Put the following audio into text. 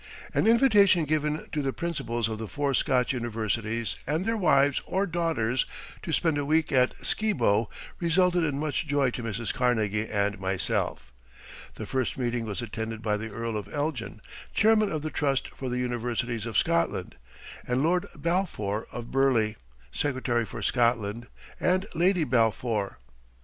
An invitation given to the principals of the four Scotch universities and their wives or daughters to spend a week at Skibo resulted in much joy to Mrs. Carnegie and myself. The first meeting was attended by the Earl of Elgin, chairman of the Trust for the Universities of Scotland, and Lord Balfour of Burleigh, Secretary for Scotland, and Lady Balfour.